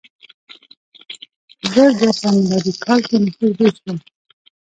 په زر دوه سوه میلادي کال کې نفوس ډېر شو.